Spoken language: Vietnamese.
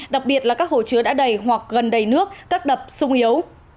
đặc biệt là các hồ chứa đã đầy hoặc gần đầy nước các đập sung yếu